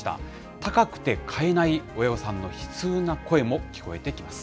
高くて買えない親御さんの悲痛な声も聞こえてきます。